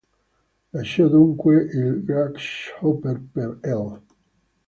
Lasciò dunque il Grasshopper per l'.